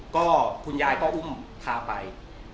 ก็คุณยายก็อุ้มพาไป